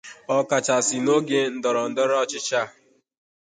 ọkachasị n'oge ndọrọndọrọ ọchịchị a